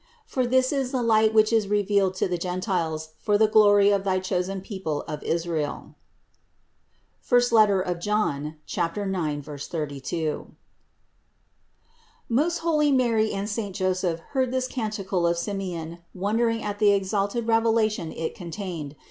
For this is the light which is revealed to the gentiles for the glory of thy chosen people of Israel" (John I, 9, 32). 600. Most holy Mary and saint Joseph heard this can ticle of Simeon, wondering at the exalted revelation it contained.